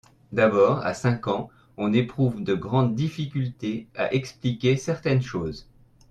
D’abord, à cinq ans, on éprouve de grandes difficultés à expliquer certaines choses.